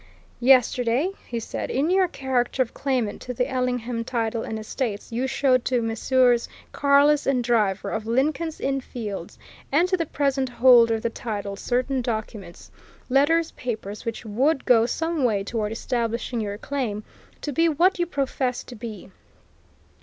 "Yesterday," he said, "in your character of claimant to the Ellingham title and estates you showed to Messrs. Carless & Driver, of Lincoln's Inn Fields, and to the present holder of the title, certain documents, letters, papers, which would go some way toward establishing your claim to be what you profess to be.